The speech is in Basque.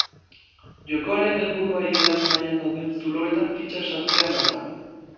Jokoaren helburua igelaren mahaian dauden zuloetan fitxak sartzean datza.